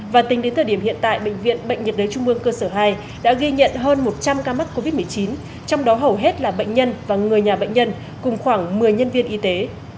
và tính đến thời điểm hiện tại bệnh viện bệnh nhiệt đới trung mương cơ sở hai đã ghi nhận hơn một trăm linh ca mắc covid một mươi chín trong đó hầu hết là bệnh nhân và người nhà bệnh nhân cùng khoảng một mươi nhân viên y tế